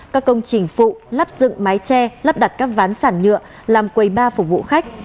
các công trình phụ lắp dựng mái tre lắp đặt các ván sản nhựa làm quầy ba phục vụ khách